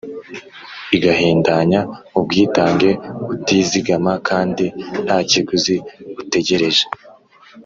igahindanya ubwitange utizigama kandi nta kiguzi utegereje.